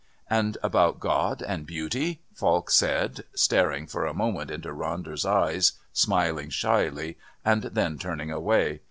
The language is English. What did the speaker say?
"And about God and Beauty?" Falk said, staring for a moment into Ronder's eyes, smiling shyly, and then turning away.